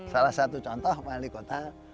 salah satu contoh pak wali kota